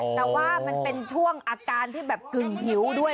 แต่ว่ามันเป็นช่วงอาการที่แบบกึ่งหิวด้วย